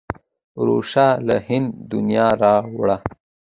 ورشه له هنده د نیا را وړه.